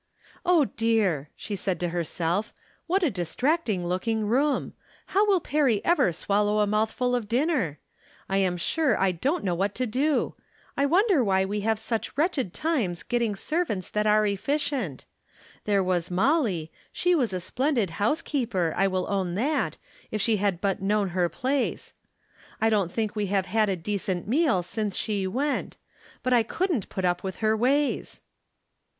" Oh, dear," she said to herself, " what a dis tracting looking room ! How will Perry ever swallow a mouthful of dinner ! I am sure I don't know what to do ! I wonder why we have such JVom Different Standpoints. 349 wretched times getting servants that are efficient. There was Molly; she was a splendid housekeeper, I will own that, if she had but known her place. I don't think we have had a decent meal since she went. But I couldn't put up with her ways."